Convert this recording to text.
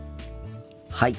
はい。